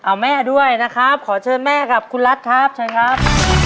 เอาแม่ด้วยนะครับขอเชิญแม่กับคุณรัฐครับเชิญครับ